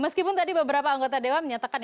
meskipun tadi beberapa anggota dewan menyatakan